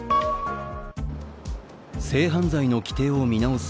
性犯罪の規定を見直す